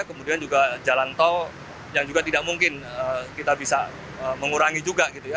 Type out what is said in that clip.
kemudian juga jalan tol yang juga tidak mungkin kita bisa mengurangi juga gitu ya